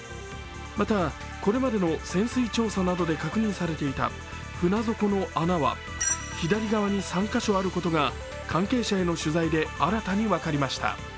また、これまでの潜水調査などで確認されていた船底の穴は左側に３カ所あることが関係者への取材で新たに分かりました。